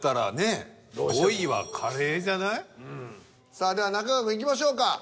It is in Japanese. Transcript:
じゃない？さあでは中川くんいきましょうか。